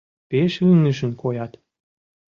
Пеш ӱҥышын коят.